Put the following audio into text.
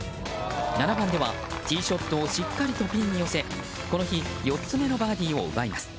７番ではティーショットをしっかりとピンに寄せこの日、４つ目のバーディーを奪います。